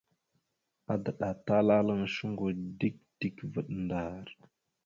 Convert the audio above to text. Adəɗatalalaŋ shungo dik dik vvaɗ ndar.